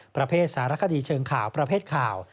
ประเภทสารคดีเชิงข่าวประเภทข่าว